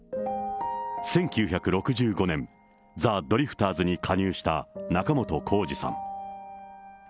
１９６５年、ザ・ドリフターズに加入した仲本工事さん。